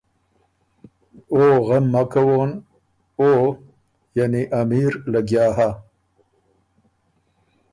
”او غم مک کوون، او (امیر) لګیا هۀ